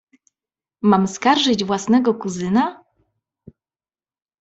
Mam skarżyć własnego kuzyna?